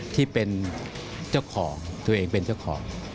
ที่เป็นเจ้าของตัวเองเป็นเจ้าของ